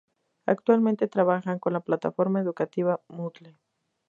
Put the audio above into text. Actualmente trabajan con la plataforma educativa Moodle.